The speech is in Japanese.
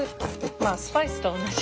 まあスパイスとおんなじ。